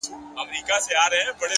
هره لاسته راوړنه د صبر له لارې راځي،